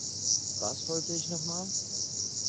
Was wollte ich noch mal?